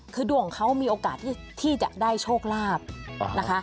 คือดวงเขามีโอกาสที่จะได้โชคลาภนะคะ